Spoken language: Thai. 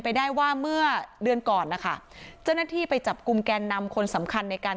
ไปได้ว่าเมื่อเดือนก่อนนะคะเจ้าหน้าที่ไปจับกลุ่มแกนนำคนสำคัญในการ